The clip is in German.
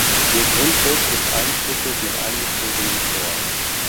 Ihr Grundriss ist einschiffig mit eingezogenem Chor.